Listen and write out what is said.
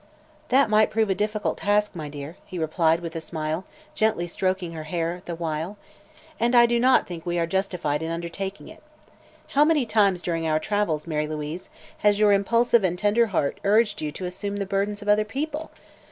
"That might prove a difficult task, my dear," he replied with a smile, gently stroking her hair the while, "and I do not think we are justified in undertaking it. How many times during our travels, Mary Louise, has your impulsive and tender heart urged you to assume the burdens of other people?